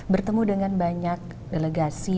bertemu dengan banyak delegasi